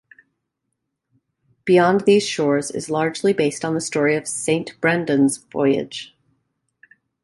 "Beyond These Shores" is largely based on the story of Saint Brendan's voyage.